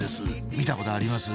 見たことあります？